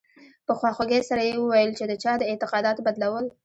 په خواخوږۍ سره یې وویل چې د چا د اعتقاداتو بدلول.